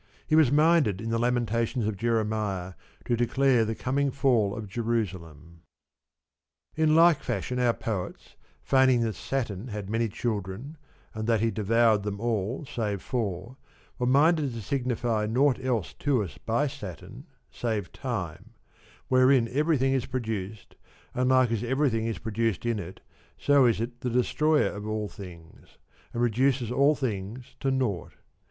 He was minded in the Lamentations of Jeremiah to declare the coming fall of Jerusalem. In like fashion our poets, feigning that Saturn had many children and that he devoured them all save four, were minded to signify naught else to us by Saturn save time, wherein everything is produced, and like as everj'thing is produced in it, so is it the destroyer of all things, and reduces all things to naught.